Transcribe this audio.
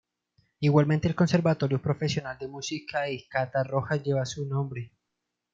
Igualmente el conservatorio profesional de música de Catarroja lleva su nombre.